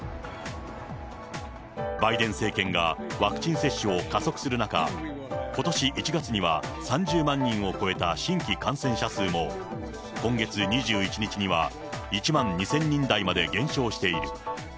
バイデン政権がワクチン接種を加速する中、ことし１月には、３０万人を超えた新規感染者数も今月２１日には１万２０００人台まで減少している。